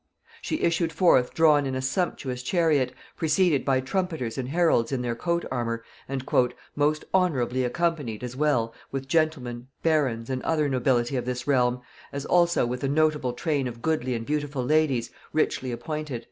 She issued forth drawn in a sumptuous chariot, preceded by trumpeters and heralds in their coat armour and "most honorably accompanied as well with gentlemen, barons, and other the nobility of this realm, as also with a notable train of goodly and beautiful ladies, richly appointed."